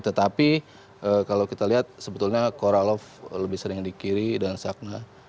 tetapi kalau kita lihat sebetulnya coralov lebih sering di kiri dan sakna